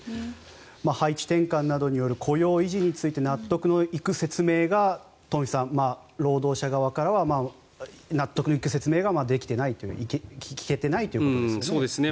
配置転換などによる雇用維持について納得のいく説明が東輝さん、労働者側からは納得のいく説明ができていない聞けていないということですよね。